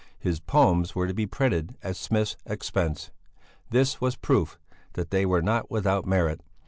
His poems were to be printed at Smith's expense. This was proof that they were not without merit!